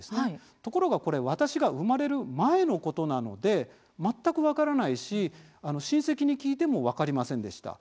ところが、これ私が生まれる前のことなので全く分からないし親戚に聞いても分かりませんでした。